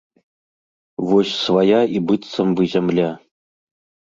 Вось свая і быццам бы зямля.